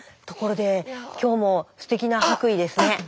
ところで今日もステキな白衣ですね。